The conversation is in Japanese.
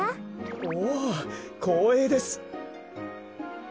おおこうえいです。